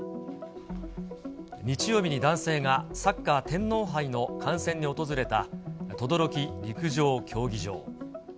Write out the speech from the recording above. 日曜日に男性がサッカー天皇杯の観戦に訪れた等々力陸上競技場。